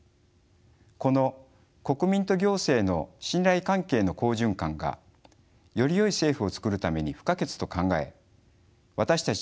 この国民と行政の信頼関係の好循環がよりよい政府を作るために不可欠と考え私たち